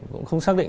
cũng không xác định